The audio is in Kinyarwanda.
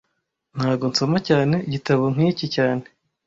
Ntago nsoma cyane igitabo nk'iki cyane